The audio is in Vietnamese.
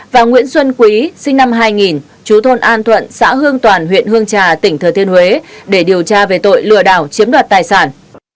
và nguyễn xuân quý sinh năm hai nghìn chú thôn an thuận xã hương toàn huyện hương trà tỉnh thừa thiên huế để điều tra về tội lừa đảo chiếm đoạt tài sản